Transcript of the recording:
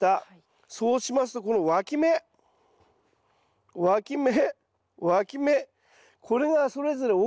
そうしますとこのわき芽わき芽わき芽これがそれぞれ大きくなってくるんですよ。